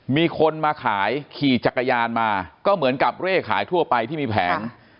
มีคนมาขายขี่จักรยานมาก็เหมือนกับเร่ขายทั่วไปที่มีแผง